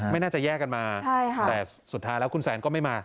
ไม่น่าจะแยกกันมาแต่สุดท้ายแล้วคุณแซนก็ไม่มา